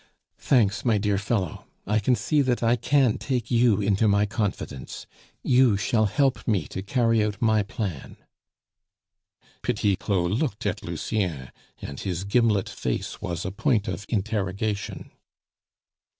"Thanks, my dear fellow; I see that I can take you into my confidence; you shall help me to carry out my plan." Petit Claud looked at Lucien, and his gimlet face was a point of interrogation.